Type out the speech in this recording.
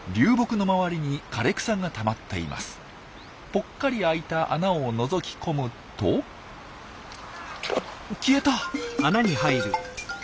ぽっかり開いた穴をのぞき込むと消えた！